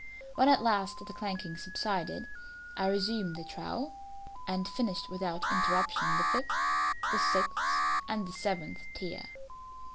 When at last the clanking subsided, I resumed the trowel, and finished without interruption the fifth, the sixth, and the seventh tier.